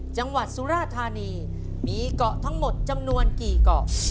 สุราธานีมีเกาะทั้งหมดจำนวนกี่เกาะ